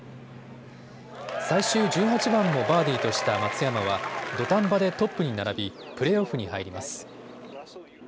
最終１８番もバーディーとした松山は土壇場でトップに並びプレーオフに入ります。